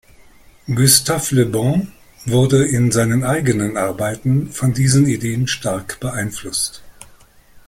Gustave Le Bon wurde in seinen eigenen Arbeiten von diesen Ideen stark beeinflusst.